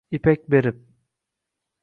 Ipak berib